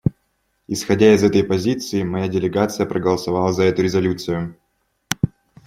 Исходя из этой позиции, моя делегация проголосовала за эту резолюцию.